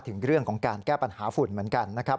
ถึงเรื่องของการแก้ปัญหาฝุ่นเหมือนกันนะครับ